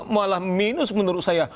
malah minus menurut saya